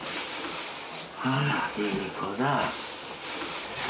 ああいい子だ。